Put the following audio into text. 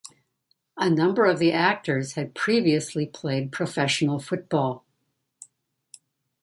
A number of the actors had previously played professional football.